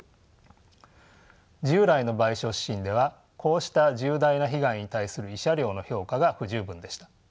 従来の賠償指針ではこうした重大な被害に対する慰謝料の評価が不十分でした。